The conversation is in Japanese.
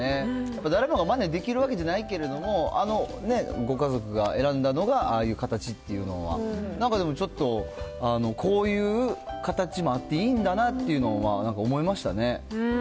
やっぱ誰もがまねできるわけじゃないけども、あのご家族が選んだのが、ああいう形っていうのは、なんかでもちょっと、こういう形もあっていいんだなっていうのは、なんか思いましたね。